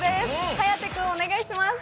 颯君、お願いします。